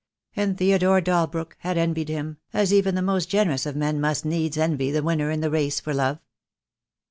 And Theodore Dalbrook had envied him, as even the most generous of men must needs envy the winner in the race for love.